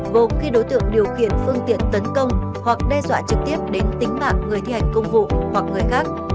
gồm khi đối tượng điều khiển phương tiện tấn công hoặc đe dọa trực tiếp đến tính mạng người thi hành công vụ hoặc người khác